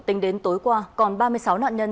tính đến tối qua còn ba mươi sáu nạn nhân